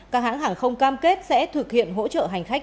các hãng hàng không cam kết sẽ thực hiện hỗ trợ hành khách